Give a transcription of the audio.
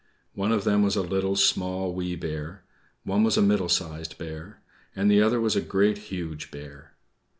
One of them was a Little, Small, Wee Bear; one was a Middle Sized Bear; and the other was a Great, Huge Bear.